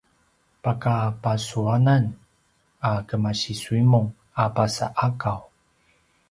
pakabasuanan a kemasiSuimung a pasa’Akaw